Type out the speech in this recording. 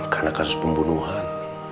karena kasus pembunuhan